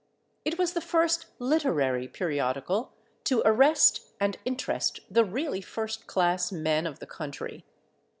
It was the first "literary" periodical to arrest and interest the really first class men of the country.